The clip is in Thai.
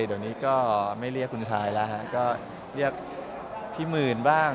เดี๋ยวนี้ก็ไม่เรียกคุณชายแล้วก็เรียกพี่หมื่นบ้าง